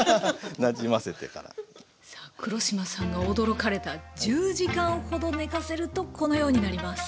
黒島さんが驚かれた１０時間ほどねかせるとこのようになります。